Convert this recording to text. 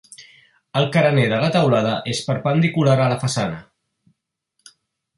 El carener de la teulada és perpendicular a la façana.